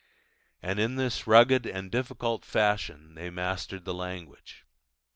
And in this rugged and difficult fashion they mastered the language.